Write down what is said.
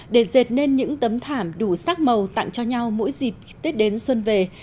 để dệt nên những tấm thảm đủ sắc màu tặng cho nhau mỗi dịp tết đến xuân về